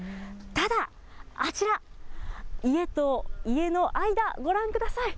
ただ、あちら、家と家の間、ご覧ください。